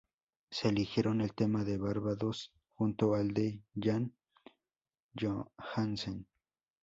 Se eligieron el tema de Barbados junto al de Jan Johansen.